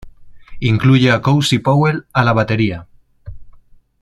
Incluye a Cozy Powell a la batería.